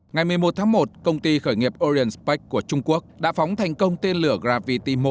ngày một mươi một tháng một công ty khởi nghiệp orient spec của trung quốc đã phóng thành công tên lửa gravity một